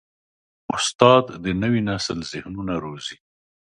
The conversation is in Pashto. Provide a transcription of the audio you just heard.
استاد د نوي نسل ذهنونه روزي.